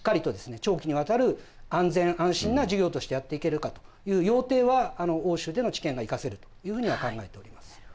長期にわたる安全安心な事業としてやっていけるかという要諦は欧州での知見が生かせるというふうには考えております。